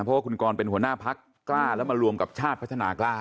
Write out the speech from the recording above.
เพราะว่าคุณกรเป็นหัวหน้าพักกล้าแล้วมารวมกับชาติพัฒนากล้า